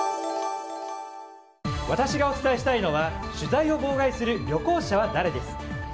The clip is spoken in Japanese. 私がお伝えしたいのは取材を妨害する旅行者は誰？です。